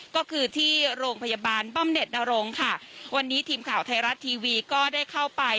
ก็คือที่โรงพยาบาลบำเน็ตนรงค่ะวันนี้ทีมข่าวไทยรัฐทีวีก็ได้เข้าไป